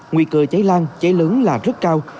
nguy cơ cháy lan cháy lớn là rất cao